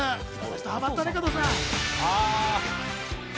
ハマったね、加藤さん。